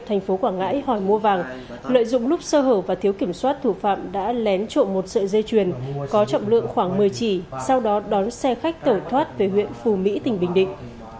thành phố quảng ngãi hỏi mua vàng lợi dụng lúc sơ hở và thiếu kiểm soát thủ phạm đã lén trộm một sợi dây chuyền có trọng lượng khoảng một mươi chỉ sau đó đón xe khách tẩu thoát về huyện phù mỹ tỉnh bình định